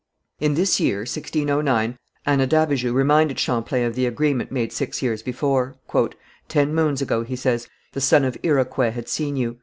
In this year, 1609, Anadabijou reminded Champlain of the agreement made six years before. "Ten moons ago," he says, "the son of Iroquet had seen you.